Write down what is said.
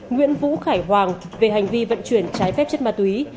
nguyễn vũ khải hoàng về hành vi vận chuyển trái phép chất ma túy